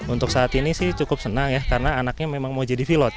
untuk saat ini sih cukup senang ya karena anaknya memang mau jadi pilot